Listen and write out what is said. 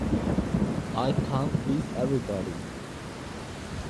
I can't please everybody.